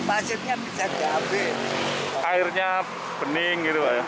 asalnya bening gitu ya